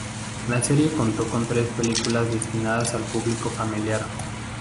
La serie contó con tres películas destinadas al público familiar.